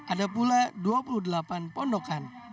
ada pula dua puluh delapan pondokan